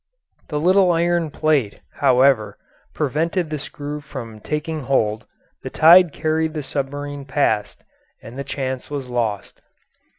The little iron plate, however, prevented the screw from taking hold, the tide carried the submarine past, and the chance was lost.